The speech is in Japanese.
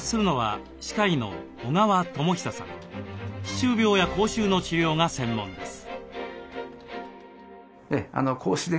歯周病や口臭の治療が専門です。